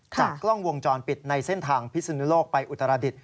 จากกล้องวงจรปิดในเส้นทางภิษณุโลกไปอุตรศัพท์